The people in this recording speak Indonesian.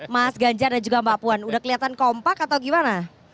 mas ganjar dan juga mbak puan udah kelihatan kompak atau gimana